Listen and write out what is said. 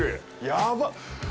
やばっ！